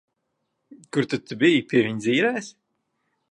Kur tad tu biji? Pie viņa dzīrēs?